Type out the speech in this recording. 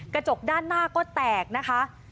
กระจกด้านหน้าก็แตกนะคะ